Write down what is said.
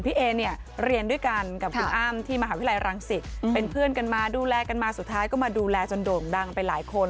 เอเนี่ยเรียนด้วยกันกับคุณอ้ำที่มหาวิทยาลัยรังสิตเป็นเพื่อนกันมาดูแลกันมาสุดท้ายก็มาดูแลจนโด่งดังไปหลายคน